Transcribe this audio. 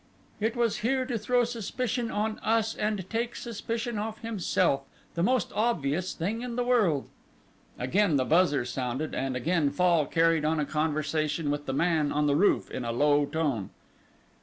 It was here to throw suspicion on us and take suspicion off himself, the most obvious thing in the world." Again the buzzer sounded, and again Fall carried on a conversation with the man on the roof in a low tone.